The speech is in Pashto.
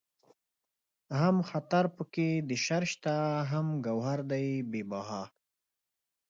هم خطر پکې د شر شته هم گوهر دئ بې بها